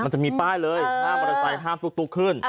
มันจะมีป้ายเลยห้ามมอเตอร์ไซค์ห้ามตุ๊กขึ้น